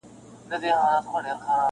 • د خدای ساتنه -